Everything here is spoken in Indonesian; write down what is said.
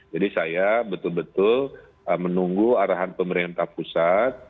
jadi saya betul betul menunggu arahan pemerintah pusat